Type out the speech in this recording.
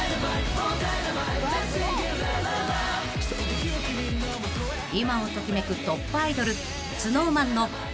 ［今を時めくトップアイドル］